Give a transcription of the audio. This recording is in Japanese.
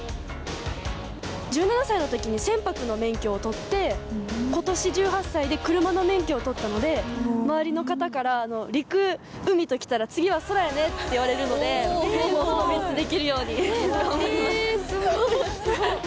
１７歳のときに船舶の免許を取って、ことし１８歳で車の免許を取ったので、周りの方から、陸、海ときたら、次は空やねって言われるので、３つできるように頑張ります。